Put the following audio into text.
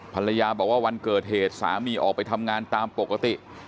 ภรรยาบอกว่าวันเกิดเหตุสามีออกไปทำงานตามปกติ